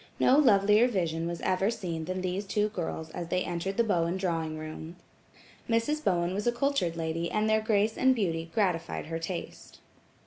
No lovelier vision was ever seen than these two girls as they entered the Bowen drawing room. Mrs. Bowen was a cultured lady and their grace and beauty gratified her taste.